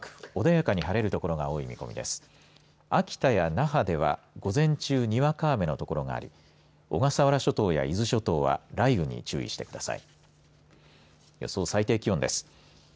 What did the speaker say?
秋田や那覇では午前中にわか雨の所があり小笠原諸島や伊豆諸島は雷雨に注意してください。